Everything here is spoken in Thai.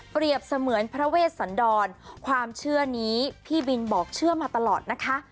เสมือนพระเวชสันดรความเชื่อนี้พี่บินบอกเชื่อมาตลอดนะคะ